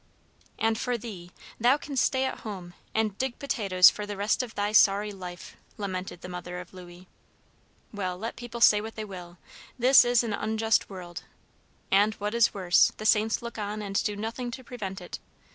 "And for thee, thou canst stay at home, and dig potatoes for the rest of thy sorry life," lamented the mother of Louis. "Well, let people say what they will, this is an unjust world; and, what is worse, the saints look on, and do nothing to prevent it.